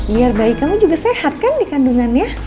biar bayi kamu juga sehat kan dikandungan ya